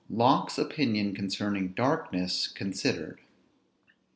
LOCKE'S OPINION CONCERNING DARKNESS CONSIDERED.